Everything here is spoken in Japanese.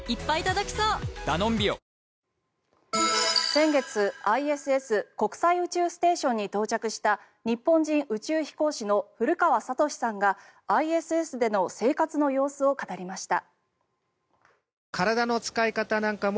先月、ＩＳＳ・国際宇宙ステーションに到着した日本人宇宙飛行士の古川聡さんがＩＳＳでの生活の様子を語りました。